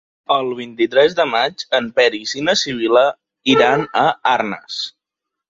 El vint-i-tres de maig en Peris i na Sibil·la iran a Arnes.